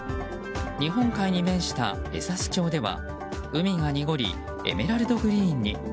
日本海に面した江差町では海が濁りエメラルドグリーンに。